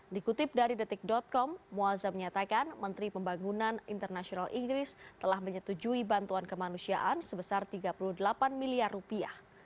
dikutip dari detik com muazza menyatakan menteri pembangunan internasional inggris telah menyetujui bantuan kemanusiaan sebesar tiga puluh delapan miliar rupiah